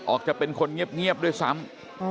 จะเป็นคนเงียบด้วยซ้ำ